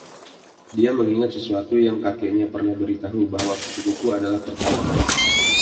Dia mengingat sesuatu yang kakeknya pernah beri tahu: bahwa kupu-kupu adalah pertanda baik.